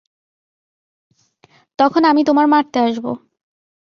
তখন আমি তোমার মারতে আসব।